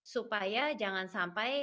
supaya jangan sampai